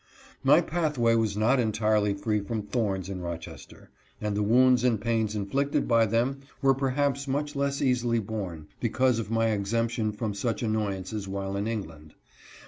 mlj pathway was not entirely free from thorns in Roches ter, and the wounds and pains inflicted by them were perhaps much less easily borne, because of my exemption from such annoyances while in England.